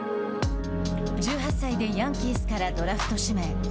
１８歳でヤンキースからドラフト指名。